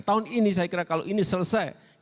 tahun ini saya kira kalau ini selesai kita akan